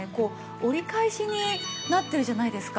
折り返しになってるじゃないですか。